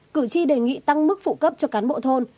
cử tri đề nghị tăng mức phụ cấp cho cán bộ thôn